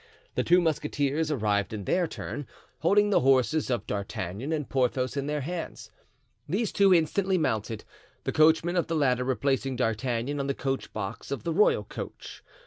The two musketeers arrived in their turn, holding the horses of D'Artagnan and Porthos in their hands. These two instantly mounted, the coachman of the latter replacing D'Artagnan on the coach box of the royal coach.